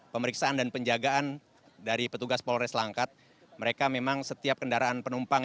pemeriksaan dan penjagaan dari petugas polres langkat mereka memang setiap kendaraan penumpang